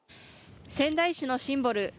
仙台市のシンボル